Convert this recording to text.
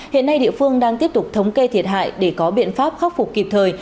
hiện nay địa phương đang tiếp tục thống kê thiệt hại để có biện pháp khắc phục kịp thời